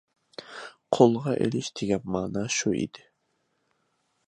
قولغا ئېلىش دېگەن مانا شۇ ئىدى.